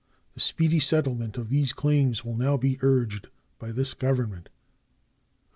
The speedy settlement of these claims will now be urged by this Government.